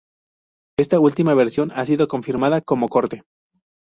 Esta última versión ha sido confirmada como corte.